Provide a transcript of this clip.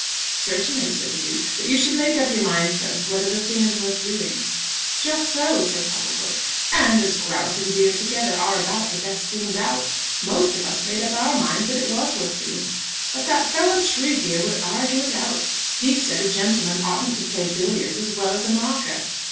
"Certainly," said the Duke. "But you should make up your mind first whether the thing is worth doing." "Just so," said Popplecourt. "And as grouse and deer together are about the best things out, most of us made up our minds that it was worth doing. But that fellow Tregear would argue it out. He said a gentleman oughtn't to play billiards as well as a marker."